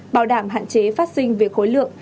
bảo đảm hạn chế phát sinh về khối lượng